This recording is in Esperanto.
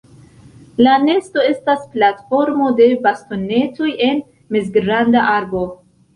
La nesto estas platformo de bastonetoj en mezgranda arbo.